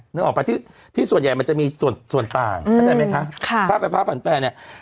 นึกออกปะที่ส่วนใหญ่มันจะมีส่วนต่างค่าไฟฟ้าผลันแปรเนี่ย